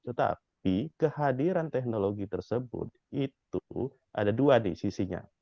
tetapi kehadiran teknologi tersebut itu ada dua di sisinya